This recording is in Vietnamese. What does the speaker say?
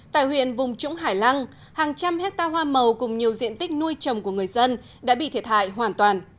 tại huyện vùng trũng hải lăng hàng trăm hectare hoa màu cùng nhiều diện tích nuôi trồng của người dân đã bị thiệt hại hoàn toàn